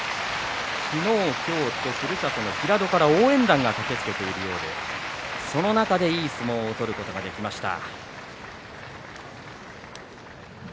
昨日今日とふるさとの平戸から応援団が駆けつけているようでその中でいい相撲を取ることができました。